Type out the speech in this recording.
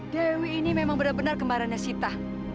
dewi ini memang benar benar kembarannya sita